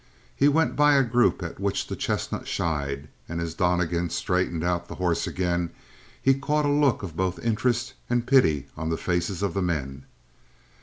He went by a group at which the chestnut shied, and as Donnegan straightened out the horse again he caught a look of both interest and pity on the faces of the men.